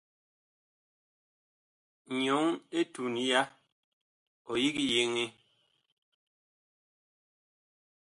Nyɔŋ etuŋ ya, ɔ yig yeŋee.